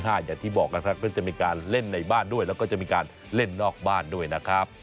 อย่างที่บอกนะครับก็จะมีการเล่นในบ้านด้วยแล้วก็จะมีการเล่นนอกบ้านด้วยนะครับ